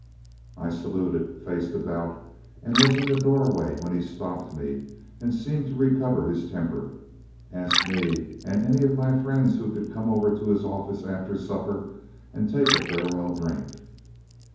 I saluted, faced about, and was in the doorway when he stopped me and, seeming to recover his temper, asked me and any of my friends who could to come over to his office after supper and take a farewell drink.